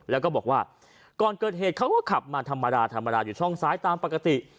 แล้วก็บอกว่าก่อนเกิดเหตุเขาก็ขับมาธรรมดาธรรมดาอยู่ช่องซ้ายตามปกติ